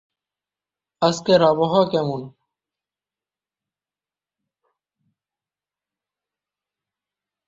প্রথম পর্যায়ের অভিযান চাঁদের কক্ষপথে উপগ্রহ স্থাপনের দ্বারা চাঁদের কক্ষপথে ভ্রমনের সূচনা করে।